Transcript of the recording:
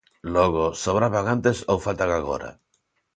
Logo, ¿sobraban antes ou faltan agora?